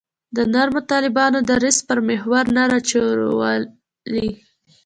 د نرمو طالبانو دریځ پر محور نه راچورلي.